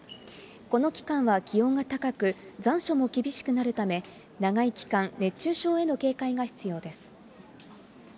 この期間は気温が高く、残暑も厳しくなるため、長い期間、熱中症への警戒が必要です。